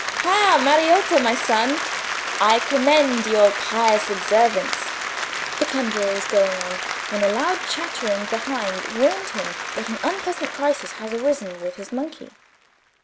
"Ha! Mariotto, my son, I commend your pious observance..." The conjuror was going on, when a loud chattering behind warned him that an unpleasant crisis had arisen with his monkey.